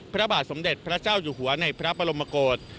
พระบาทสมเด็จพระเจ้าอยู่หัวในพระบรมกฏ